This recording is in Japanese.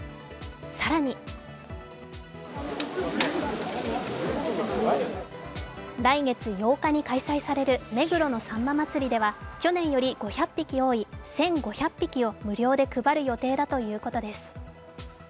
更に来月８日に開催される目黒のさんま祭では去年より５００匹多い１５００匹を無料で配る予定だということです。